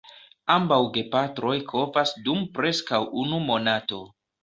Ambaŭ gepatroj kovas dum preskaŭ unu monato.